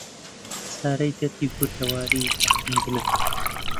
چارە دەردی کوردەواری هەر خوێندنە